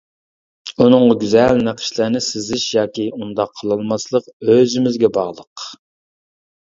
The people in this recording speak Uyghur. ئۇنىڭغا گۈزەل نەقىشلەرنى سىزىش ياكى ئۇنداق قىلالماسلىق ئۆزىمىزگە باغلىق.